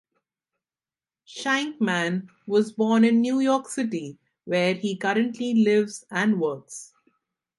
Sheinkman was born in New York City, where he currently lives and works.